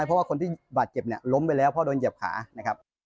เพราะว่าคนที่บาดเจ็บเนี่ยล้มไปแล้วเพราะโดนเหยียบขานะครับ